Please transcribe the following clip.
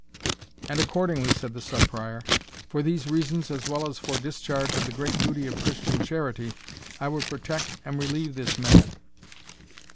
"And, accordingly," said the Sub Prior, "for these reasons, as well as for discharge of the great duty of Christian charity, I would protect and relieve this man.